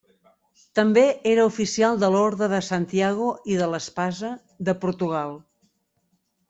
També era oficial de l'Orde de Santiago i de l'Espasa, de Portugal.